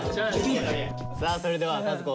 さあそれでは和子